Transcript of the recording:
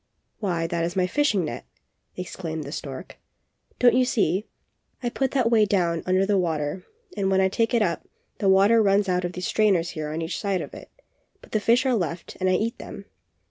"Why, that is my fishing net!" exclaimed the stork. "Don't you see? I put that way down under the water and when I take it up, the water runs out of these strainers here on each side of it, but the fish are left and I eat them.